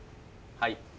はい。